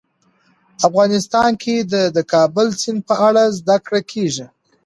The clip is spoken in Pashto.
افغانستان کې د د کابل سیند په اړه زده کړه کېږي.